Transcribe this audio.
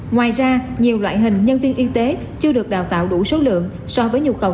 ngoài ra nhiều loại hình nhân viên y tế chưa được đào tạo đủ số lượng so với nhu cầu